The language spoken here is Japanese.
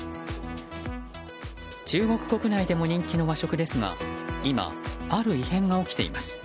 中国国内でも人気の和食ですが今、ある異変が起きています。